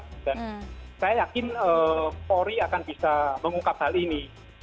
dan saya yakin polri akan bisa mengungkap hal ini